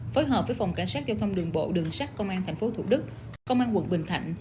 phối hợp với phòng cảnh sát giao thông đường bộ đường sát công an tp thủ đức công an quận bình thạnh